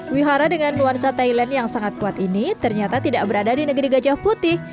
wihara dengan nuansa thailand yang sangat kuat ini ternyata tidak berada di negeri gajah putih